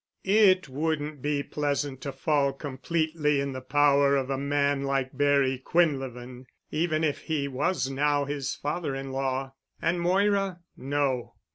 It wouldn't be pleasant to fall completely in the power of a man like Barry Quinlevin—even if he was now his father in law. And Moira ... No.